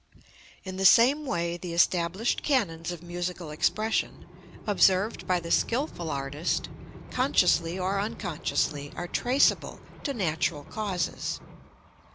In the same way the established canons of musical expression, observed by the skilful artist, consciously or unconsciously, are traceable to natural causes.